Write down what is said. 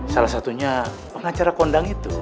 salah satunya pengacara kondang itu